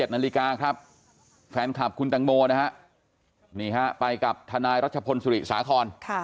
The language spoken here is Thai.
นี่ครับไปกับทนายรัชพลสุริสาคร